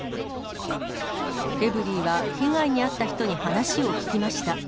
エブリィは被害に遭った人に話を聞きました。